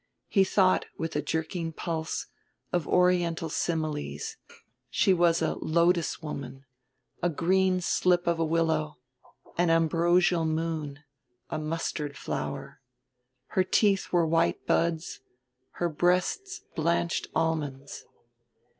He thought, with a jerking pulse, of Oriental similes; she was a lotus woman, a green slip of willow, an ambrosial moon, a mustard flower. Her teeth were white buds, her breasts blanched almonds.